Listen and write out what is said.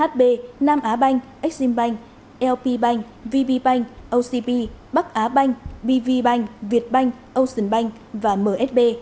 ab nam á banh exim banh lp banh vb banh ocp bắc á banh bv banh việt banh ocean banh và msb